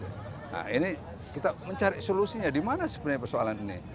nah ini kita mencari solusinya di mana sebenarnya persoalan ini